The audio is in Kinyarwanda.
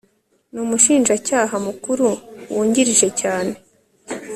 n umushinjacyaha mukuru wungirije cyane